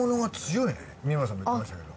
三村さんも言ってましたけど。